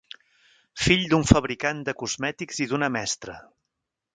Fill d'un fabricant de cosmètics i d'una mestra.